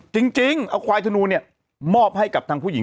จริงเอาควายธนูเนี่ยมอบให้กับทางผู้หญิง